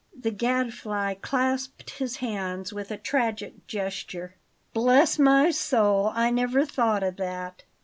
The Gadfly clasped his hands with a tragic gesture. "Bless my soul! I never thought of that!